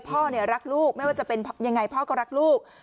พ่อรักลูกไม่ว่าจะเป็นยังไงพ่อก็รักลูก